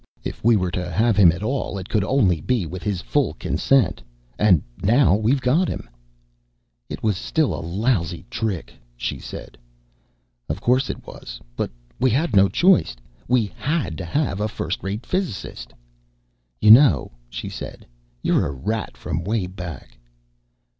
If we were to have him at all, it could only be with his full consent. And now we've got him." "It was still a lousy trick," she said. "Of course it was. But we had no choice. We had to have a first rate physicist." "You know," she said, "you're a rat from way back."